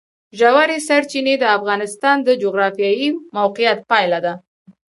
ژورې سرچینې د افغانستان د جغرافیایي موقیعت پایله ده.